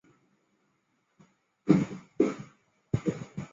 四大石窟中的大足石刻主要内容就为三教合流。